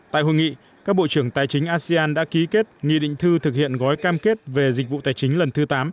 tại hội nghị các bộ trưởng tài chính asean đã ký kết nghị định thư thực hiện gói cam kết về dịch vụ tài chính lần thứ tám